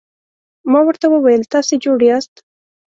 ما ورته وویل: تاسي جوړ یاست؟